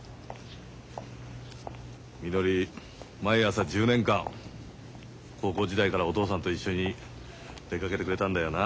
みのり毎朝１０年間高校時代からお父さんと一緒に出かけてくれたんだよな。